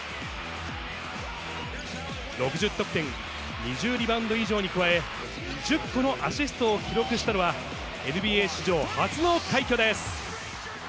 ６０得点、２０リバウンド以上に加え、１０個のアシストを記録したのは、ＮＢＡ史上初の快挙です。